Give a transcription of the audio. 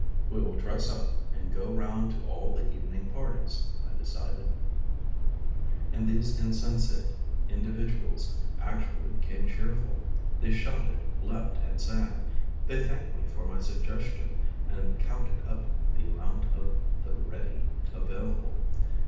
"We will dress up, and go round to all the evening parties," I decided. And these insensate individuals actually became cheerful. They shouted, leapt, and sang. They thanked me for my suggestion, and counted up the amount of "the ready" available.